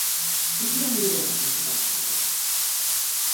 Ich wiederhole, was ich gesagt habe.